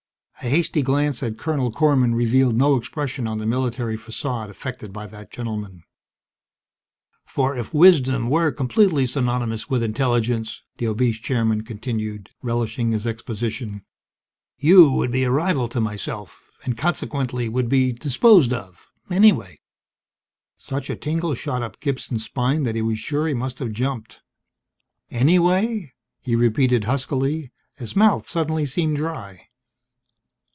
A hasty glance at Colonel Korman revealed no expression on the military facade affected by that gentleman. "For if wisdom were completely synonymous with intelligence," the obese Chairman continued, relishing his exposition, "you would be a rival to myself, and consequently would be disposed of anyway!" Such a tingle shot up Gibson's spine that he was sure he must have jumped. "Anyway?" he repeated huskily. His mouth suddenly seemed dry.